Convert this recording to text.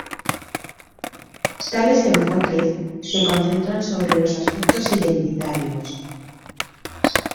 Tales enfoques se concentran sobre los aspectos identitarios.